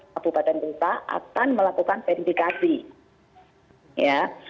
kabupaten desa akan melakukan verifikasi ya